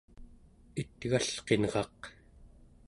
it'galqinraq